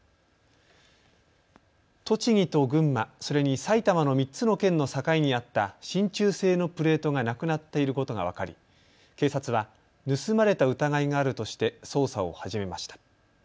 栃木と群馬、それに埼玉の３つの県の境にあった、しんちゅう製のプレートがなくなっていることが分かり警察は盗まれた疑いがあるとして捜査を始めました。